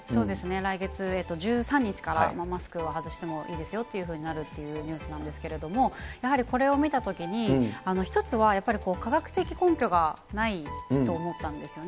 来月１３日からマスクを外してもいいですよということになるというニュースなんですけれども、やはりこれを見たときに、１つはやっぱり科学的根拠がないと思ったんですよね。